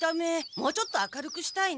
もうちょっと明るくしたいね。